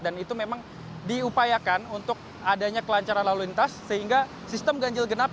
itu memang diupayakan untuk adanya kelancaran lalu lintas sehingga sistem ganjil genap